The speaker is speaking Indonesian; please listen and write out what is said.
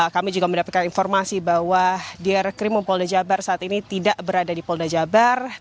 kami juga mendapatkan informasi bahwa diarekrim polda jawa barat saat ini tidak berada di polda jawa barat